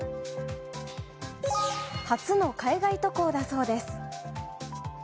初の海外渡航だそうです。